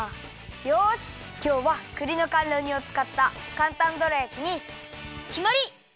よしきょうはくりのかんろ煮をつかったかんたんどら焼きにきまり！